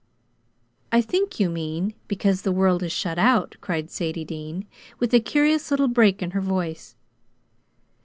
"I think you mean, because the world is shut out," cried Sadie Dean, with a curious little break in her voice.